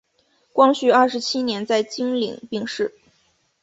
光绪二十七年在经岭病逝。